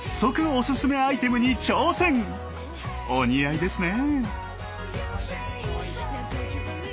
お似合いですね。